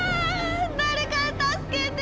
誰か助けて！